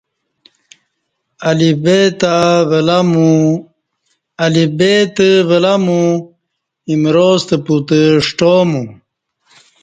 الف بےتہ ولامو ایمراستہ پوتہ ݜٹامو